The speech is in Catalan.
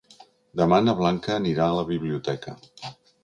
Demà na Blanca anirà a la biblioteca.